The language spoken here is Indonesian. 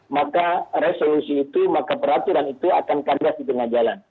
maka resolusi itu maka peraturan itu akan kandas di tengah jalan